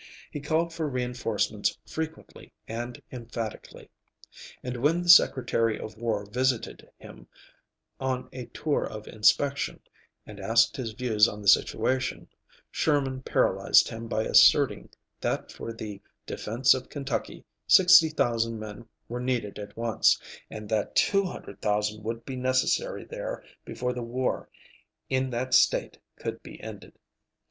He called for reinforcements frequently and emphatically, and when the Secretary of War visited him on a tour of inspection, and asked his views on the situation, Sherman paralyzed him by asserting that for the defence of Kentucky, 60,000 men were needed at once, and that 200,000 would be necessary there before the war in that State could be ended.